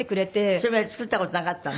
それまで作った事なかったの？